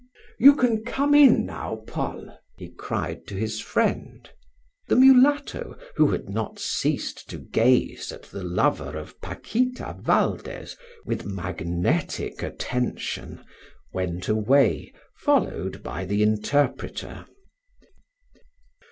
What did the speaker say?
You can come in now, Paul," he cried to his friend. The mulatto, who had not ceased to gaze at the lover of Paquita Valdes with magnetic attention, went away, followed by the interpreter.